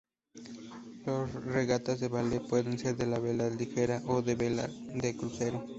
Las regatas de Vela pueden ser de vela ligera o de vela de crucero.